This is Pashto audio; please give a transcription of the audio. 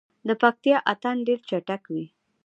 د پکتیا اتن ډیر چټک وي.